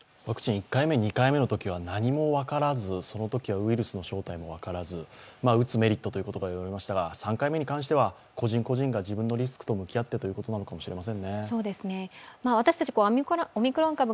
１回目２回目のときは何も分からずそのときはウイルスの正体も分からず、打つメリットが言われましたが、３回目に関しては個人個人が自分のリスクと向き合ってということかもしれない。